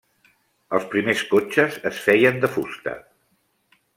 Els primers cotxes es feien de fusta.